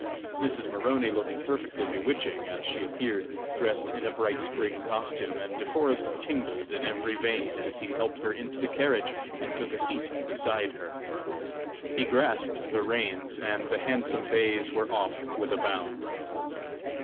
Mrs. Maroney looked perfectly bewitching as she appeared, dressed in a bright spring costume, and De Forest tingled in every vein, as he helped her into the carriage and took a seat beside her. He grasped the reins, and the handsome bays were off with a bound.